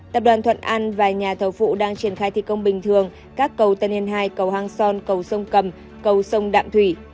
tập đoàn thuận an và nhà thầu vụ đang triển khai thi công bình thường các cầu tân hen hai cầu hang son cầu sông cầm cầu sông đạm thủy